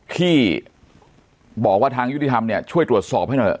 ที่บอกว่าทางยุติธรรมเนี่ยช่วยตรวจสอบให้หน่อย